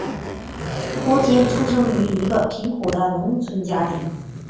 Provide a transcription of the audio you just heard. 郭坚出生于一个贫苦的农民家庭。